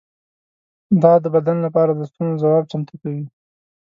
دا د بدن لپاره د ستونزو ځواب چمتو کوي.